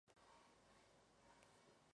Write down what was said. Se encuentran en África: río Nilo.